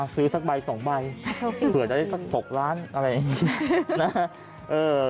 ซื้อสักใบ๒ใบเผื่อจะได้สัก๖ล้านอะไรอย่างนี้นะฮะ